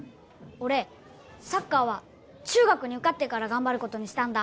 俺サッカーは中学に受かってから頑張ることにしたんだ。